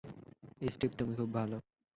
Steve, তুমি খুব ভালো।